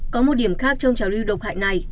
có một điểm khác trong trào lưu độc hại này